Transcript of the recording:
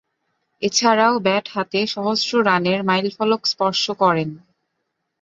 এছাড়াও, ব্যাট হাতে সহস্র রানের মাইলফলক স্পর্শ করেন।